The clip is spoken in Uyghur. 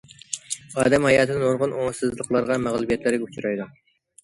ئادەم ھاياتىدا نۇرغۇن ئوڭۇشسىزلىقلارغا، مەغلۇبىيەتلەرگە ئۇچرايدۇ.